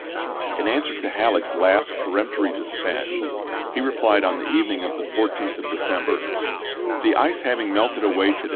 In answer to Halleck's last chap. i. peremptory dispatch, he replied on the evening of the 14th of December :" The ice having melted away i864.